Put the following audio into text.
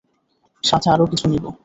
সাথে আরও কিছু নিবো।